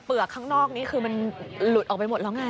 ข้างนอกนี้คือมันหลุดออกไปหมดแล้วไง